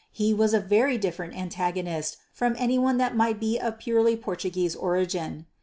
He was a very different antagonist from any one that might be of purely Portuguese origin.